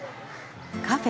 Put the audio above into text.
カフェ